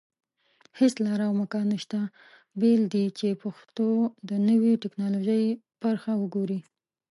هيڅ لاره او امکان نشته بېله دې چې پښتو د نوي ټيکنالوژي پرخه وګرځي